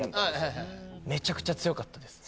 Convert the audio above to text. めちゃくちゃ強かったです。